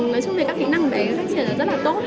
nói chung thì các kỹ năng bé phát triển rất là tốt